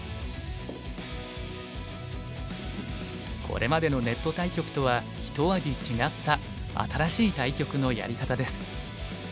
これまでのネット対局とはひと味違った新しい対局のやり方です。